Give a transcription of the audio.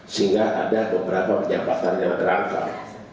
sehingga ada beberapa pejabatan yang berangkat